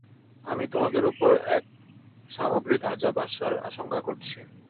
আমি তোমাদের উপর এক সামগ্রিক আযাব আসার আশংকা করছি।